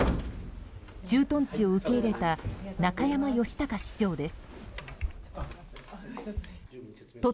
駐屯地を受け入れた中山義隆市長です。